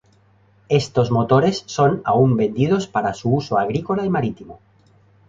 Estos motores son aun vendidos para su uso agrícola y marítimo.